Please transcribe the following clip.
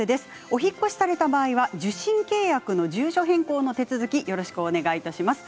お引っ越しされた場合は受信契約の住所変更の手続きをよろしくお願いいたします。